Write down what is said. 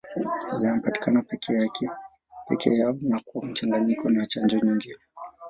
Zinapatikana peke yao na kwa mchanganyiko na chanjo nyingine.